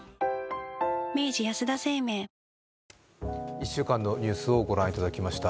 １週間のニュースをご覧いただきました。